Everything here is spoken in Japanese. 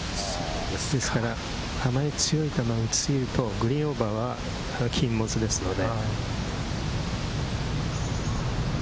ですから、あまり強い球を打ち過ぎるとグリーンオーバーは禁物ですので。